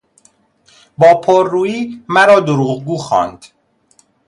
با پر رویی مرا دروغگو خواند.